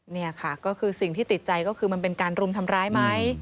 นี่ค่ะก็คือสิ่งที่ติดใจก็คือมันเป็นการรุมทำร้ายไหม